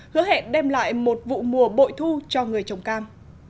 hứa hẹn đem lại một vụ mùa bội thu cho người trồng cam